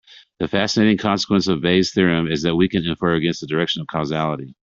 The fascinating consequence of Bayes' theorem is that we can infer against the direction of causality.